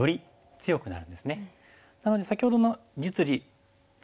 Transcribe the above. なので先ほどの実利優先